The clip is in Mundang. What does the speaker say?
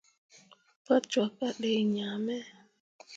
Pa cwakke a dai ŋaa me.